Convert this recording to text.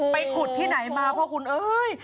ไปขุดที่ไหนมาพ่อคุณเอ้ย